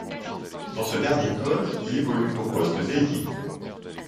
Dans ce dernier code, il évolue au poste d'ailier.